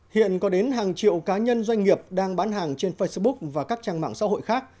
hiện có đến hàng triệu cá nhân doanh nghiệp đang bán hàng trên facebook và các trang mạng xã hội khác